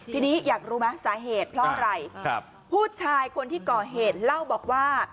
ทีนี้อยากรู้ไหมสาเหตุเพราะอะไรผู้ชายคนที่ก่อเหตุเล่าบอกว่า